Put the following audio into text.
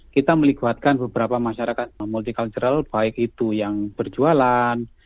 kita melibatkan beberapa masyarakat multi cultural baik itu yang berjualan